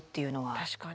確かに。